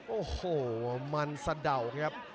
โอ้โหมันสะเดาครับ